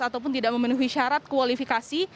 ataupun tidak memenuhi syarat kualifikasi